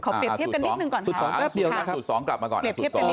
ขอเปรียบเทียบกันนิดนึงก่อนครับสูตร๒แป๊บเดียวนะครับสูตร๒กลับมาก่อนนะ